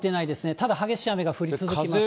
ただ、激しい雨が降り続きます。